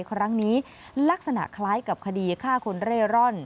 ครั้งนี้ลักษณะคล้ายกับคดีฆ่าคนเร่ร่อน